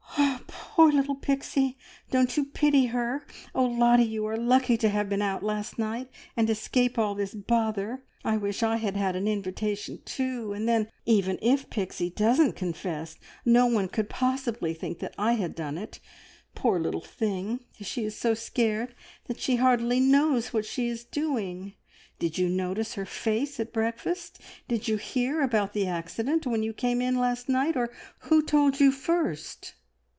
"Poor little Pixie! Don't you pity her? Oh, Lottie, you are lucky to have been out last night and escape all this bother! I wish I had had an invitation too, and then, even if Pixie doesn't confess, no one could possibly think that I had done it. Poor little thing! She is so scared that she hardly knows what she is doing. Did you notice her face at breakfast? Did you hear about the accident when you came in last night, or who told you first?"